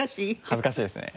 恥ずかしいですね。